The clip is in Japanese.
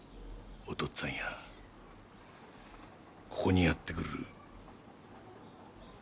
お父っつぁんやここにやってくる七五郎も。